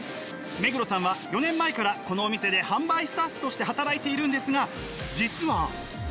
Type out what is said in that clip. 目黒さんは４年前からこのお店で販売スタッフとして働いているんですが実は。